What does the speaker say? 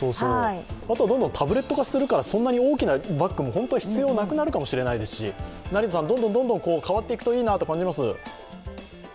あとはどんどんタブレット化するから、本当は必要なくなるかもしれないですしどんどん変わっていくといいなと感じます。